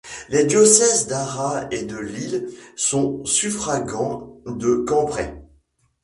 Les diocèses d'Arras et de Lille sont suffragants de Cambrai.